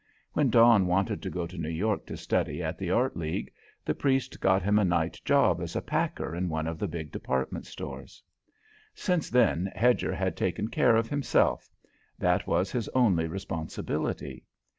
When Don wanted to go to New York to study at the Art League, the priest got him a night job as packer in one of the big department stores. Since then, Hedger had taken care of himself; that was his only responsibility.